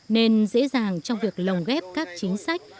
nên dễ dàng trong việc lồng ghép các chính sách